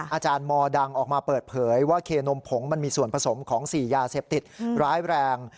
อาจารย์มดังออกมาเปิดเผยว่าเคนมผงมันมีส่วนผสมของ๔ยาเสพติดร้ายแรง